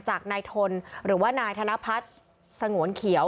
จากนายทนหรือว่านายธนพัฒน์สงวนเขียว